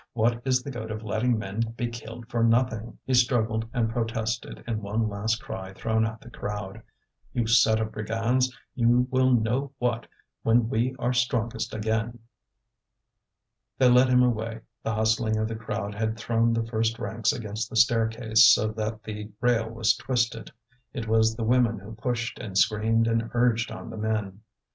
What is the good of letting men be killed for nothing?" He struggled and protested in one last cry thrown at the crowd: "You set of brigands, you will know what, when we are strongest again!" They led him away; the hustling of the crowd had thrown the first ranks against the staircase so that the rail was twisted. It was the women who pushed and screamed and urged on the men.